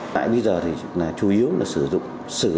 tại bây giờ thì là chủ yếu là sử dụng các loại